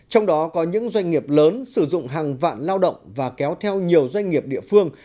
trong đó có những doanh nghiệp lớn sử dụng hàng vạn lao động và kéo theo nhiều doanh nghiệp địa phương